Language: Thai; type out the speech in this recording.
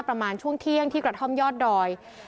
ประมาณช่วงเที่ยงที่กระท่อมยอดดอย